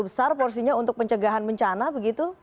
besar porsinya untuk pencegahan bencana begitu